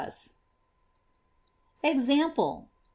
87 EXAMPLE.